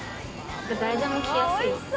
誰でも来やすい。